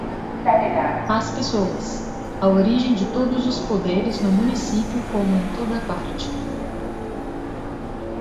As pessoas, a origem de todos os poderes no município como em toda parte.